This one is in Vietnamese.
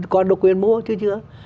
còn độc quyền mua chưa chưa